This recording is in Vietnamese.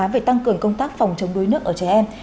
về tăng cường công tác phòng chống đuối nước ở trẻ em